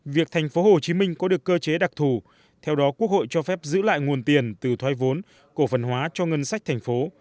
việc thành phố hồ chí minh có được cơ chế đặc thù theo đó quốc hội cho phép giữ lại nguồn tiền từ thoái vốn cổ phần hóa cho ngân sách thành phố